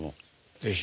是非。